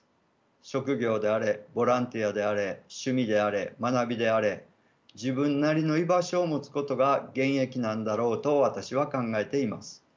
職業であれボランティアであれ趣味であれ学びであれ自分なりの居場所を持つことが現役なんだろうと私は考えています。